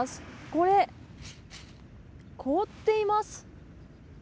これ、凍っています。